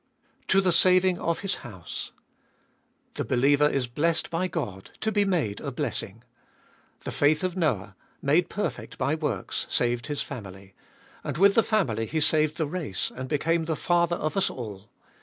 To the saving of his house. The believer is blessed by God, to be made a blessing. The faith of Noah, made perfect by works, saved his family ; and with the family he saved the race, and became the father of us all.